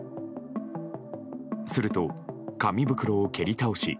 すると紙袋を蹴り倒し